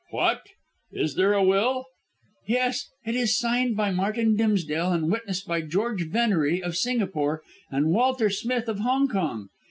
"What! is there a will?" "Yes. It is signed by Martin Dimsdale and witnessed by George Venery, of Singapore, and Walter Smith, of Hong Kong.